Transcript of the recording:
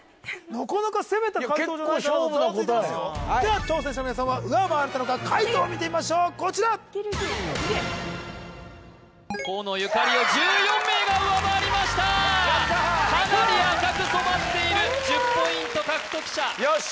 なかなか攻めた解答じゃ結構勝負な答えでは挑戦者の皆さんは上回れたのか解答を見てみましょうこちら河野ゆかりを１４名が上回りましたかなり赤く染まっているダメか１０ポイント獲得者よし！